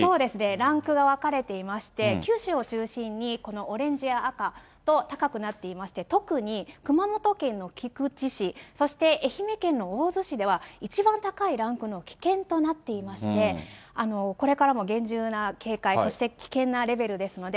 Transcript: ランクが分かれていまして、九州を中心にこのオレンジや赤と高くなっていまして、特に熊本県の菊池市、そして愛媛県の大洲市では、一番高いランクの危険となっていまして、これからも厳重な警戒、そして、危険なレベルですので。